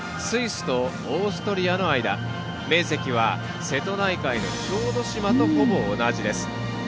スイスとオーストリアの間面積は瀬戸内海の小豆島とほぼ同じです。